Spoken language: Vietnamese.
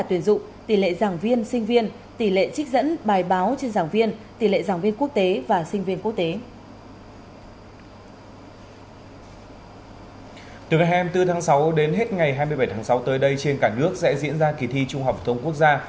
từ ngày hai mươi bốn tháng sáu đến hết ngày hai mươi bảy tháng sáu tới đây trên cả nước sẽ diễn ra kỳ thi trung học phổ thông quốc gia